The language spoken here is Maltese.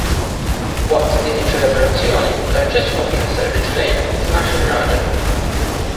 Waqt din iċ-ċelebrazzjoni l-Arċisqof jaħsel riġlejn tnax-il raġel.